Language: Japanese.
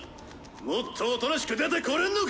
「もっとおとなしく出てこれんのか⁉」。